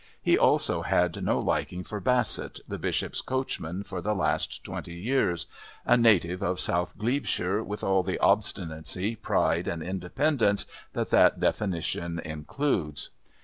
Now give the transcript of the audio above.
He also had no liking for Bassett, the Bishop's coachman for the last twenty years, a native of South Glebeshire, with all the obstinacy, pride and independence that that definition includes.